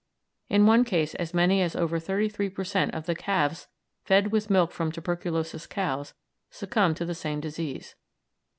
In one case as many as over 33 per cent. of the calves fed with milk from tuberculous cows succumbed to the same disease.